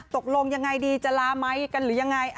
ตกลงอย่างไรดีจะลาไมค์กันหรือยังไง